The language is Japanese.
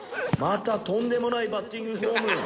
またとんでもないバッティングフォーム。